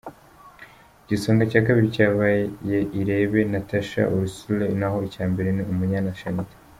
Igisonga cya Kabiri cyabaye Irebe Natacha Ursule naho icya mbere ni Umunyana Shanitah.